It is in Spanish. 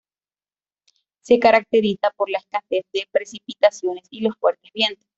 Se caracteriza por la escasez de precipitaciones y los fuertes vientos.